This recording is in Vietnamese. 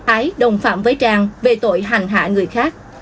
ái đồng phạm với trang về tội hành hạ người khác